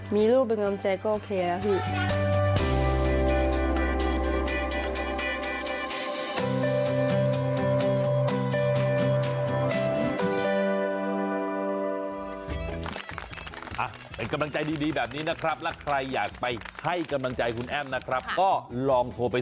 มีลูกเป็นกำลังใจก็โอเคแล้วพี่